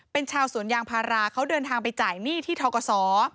เป็นชาวสวนยางพาราเขาเดินทางไปจ่ายหนี้ที่ทกศ